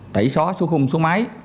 tẩy xóa số khung số máy